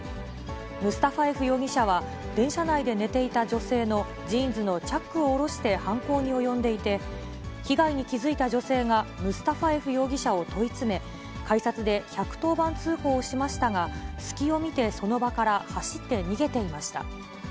ムスタファエフ容疑者は、電車内で寝ていた女性のジーンズのチャックを下ろして犯行に及んでいて、被害に気付いた女性がムスタファエフ容疑者を問い詰め、改札で１１０番通報しましたが、隙を見てその場から走って逃げていました。